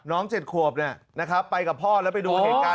๗ขวบไปกับพ่อแล้วไปดูเหตุการณ์